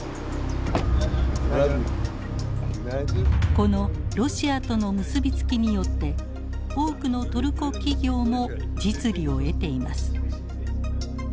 このロシアとの結び付きによって多くのトルコ企業も実利を得ています。